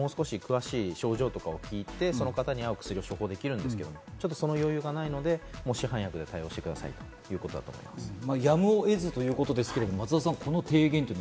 病院であれば詳しい症状とかを聞いて、その方に合う処方をできるんですけれども、その余裕がないので市販薬で処方してくださいということですね。